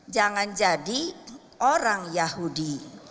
jangan jadi orang yahudi